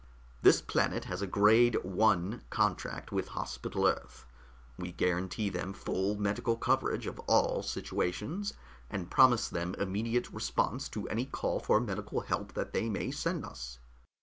"This planet has a grade I contract with Hospital Earth. We guarantee them full medical coverage of all situations and promise them immediate response to any call for medical help that they may send us.